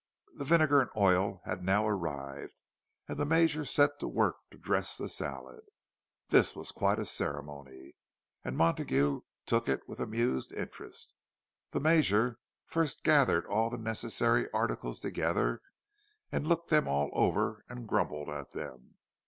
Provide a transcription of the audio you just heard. The vinegar and oil had now arrived, and the Major set to work to dress the salad. This was quite a ceremony, and Montague took it with amused interest. The Major first gathered all the necessary articles together, and looked them all over and grumbled at them.